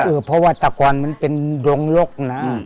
เออเพราะว่าตะกอนมันเป็นดงลกนะ